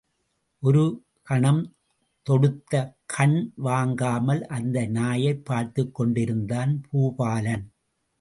ஒரு கணம் தொடுத்த கண் வாங்காமல் அந்த நாயைப் பார்த்துக் கொண்டிருந்தான் பூபாலன்.